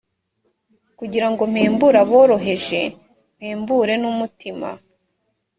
kugira ngo mpembure aboroheje mpembure n umutima